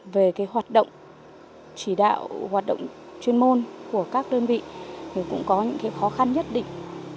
về hoạt động chỉ đạo hoạt động chuyên môn của các đơn vị thì cũng có những khó khăn nhất định